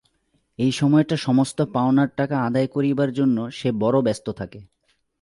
এই সময়টা সমস্ত পাওনার টাকা আদায় করিবার জন্য সে বড়ো ব্যস্ত থাকে।